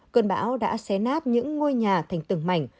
cơn bão đã xé nát những ngôi nhà thành từng mảnh